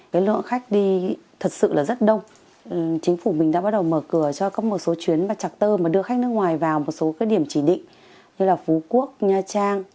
cái lượng khách đi thật sự là rất đông chính phủ mình đã bắt đầu mở cửa cho có một số chuyến và chặt tơ mà đưa khách nước ngoài vào một số cái điểm chỉ định như là phú quốc nha trang